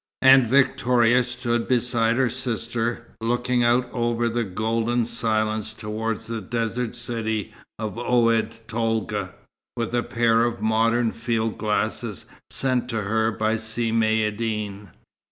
And Victoria stood beside her sister, looking out over the golden silence towards the desert city of Oued Tolga, with a pair of modern field glasses sent to her by Si Maïeddine.